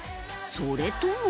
それとも。